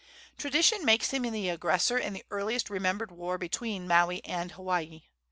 Tradition makes him the aggressor in the earliest remembered war between Maui and Hawaii.